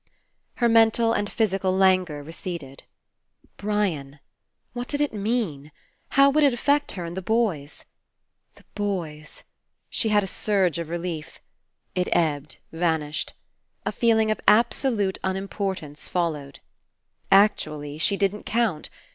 Her mental and physical languor re ceded. Brian. What did it mean? How would it affect her and the boys? The boys! She had a surge of relief. It ebbed, vanished. A feeling of absolute unimportance followed. Actually, she didn't count.